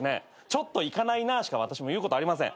「ちょっと行かないなぁ」しか私も言うことありません。